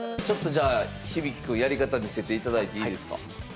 ちょっとじゃあひびきくんやり方見せて頂いていいですか。